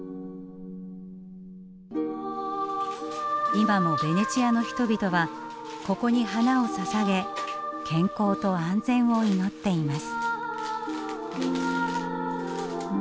今もベネチアの人々はここに花をささげ健康と安全を祈っています。